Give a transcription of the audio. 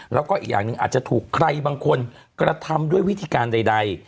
แล้วก็อีกอย่างหนึ่งอาจจะถูกใครบางคนกระทำด้วยวิธีการใด